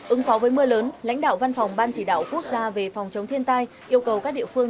ứng phó với mưa lớn lãnh đạo văn phòng ban chỉ đạo quốc gia về phòng chống thiên tai yêu cầu các địa phương